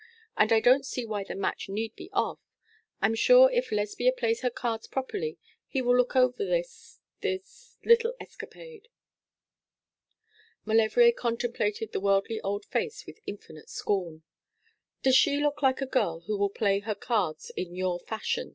And I don't see why the match need be off. I'm sure, if Lesbia plays her cards properly, he will look over this this little escapade.' Maulevrier contemplated the worldly old face with infinite scorn. 'Does she look like a girl who will play her cards in your fashion?'